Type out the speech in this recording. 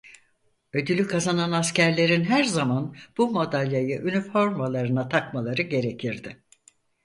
Ödülü kazanan askerlerin her zaman bu madalyayı üniformalarına takmaları gerekirdi.